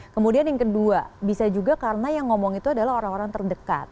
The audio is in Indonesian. kemudian yang kedua bisa juga karena yang ngomong itu adalah orang orang terdekat